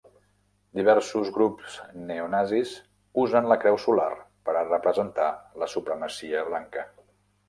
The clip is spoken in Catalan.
Diversos grups neonazis usen la creu solar per a representar la supremacia blanca.